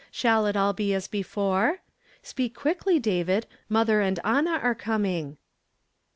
Shall it all be as before > Speak quickly, David, mother and Anna are com ' ing."